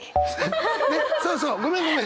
フッねっそうそうごめんごめん！